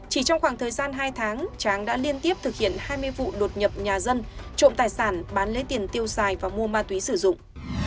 chỉ trong khoảng thời gian hai tháng tráng đã liên tiếp thực hiện hai mươi vụ đột nhập nhà dân trộm tài sản bán lấy tiền tiêu xài và mua ma túy sử dụng